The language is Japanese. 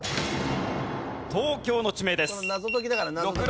東京の地名です。